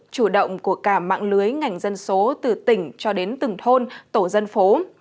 chủ động của cả mạng lưới ngành dân số từ tỉnh cho đến từng thôn tổ dân phố